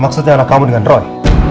maksudnya anak kamu dengan roy